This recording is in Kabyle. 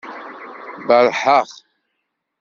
Berrḥeɣ.